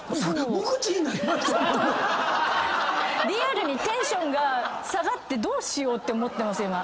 リアルにテンションが下がってどうしようって思ってます